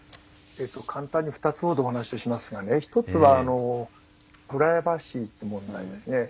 簡単に２つほどお話ししますがね一つはプライバシーという問題ですね。